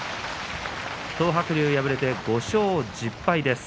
東白龍、敗れて５勝１０敗です。